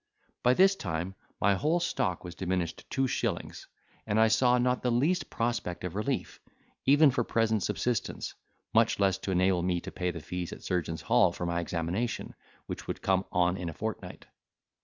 By this time my whole stock was diminished to two shillings, and I saw not the least prospect of relief, even for present subsistence, much less to enable me to pay the fees at Surgeons' Hall for my examination, which would come on in a fortnight.